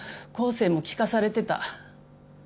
生も聞かされてた。